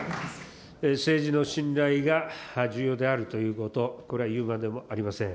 政治の信頼が重要であるということ、これはいうまでもありません。